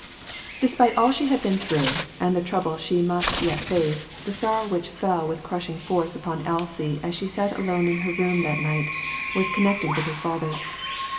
DESPITE all she had been through, and the trouble she must yet face, the sorrow which fell with crushing force upon Elsie as she sat alone in her room that night, was connected with her father.